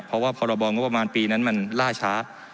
เพราะว่าพรบงบประมาณปีนั้นมันล่าช้า